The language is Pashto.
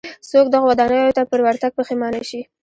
څوک دغو ودانیو ته پر ورتګ پښېمانه شي.